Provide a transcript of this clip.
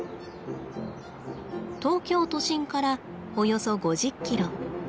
東京都心からおよそ５０キロ。